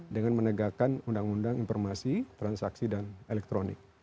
dengan menegakkan undang undang informasi transaksi dan elektronik